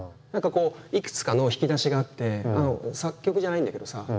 何かこういくつかの引き出しがあって作曲じゃないんだけどさ